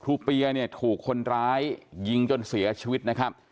เปียเนี่ยถูกคนร้ายยิงจนเสียชีวิตนะครับ